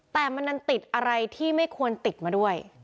แต่มันดันติดอะไรที่ไม่ควรติดมาด้วย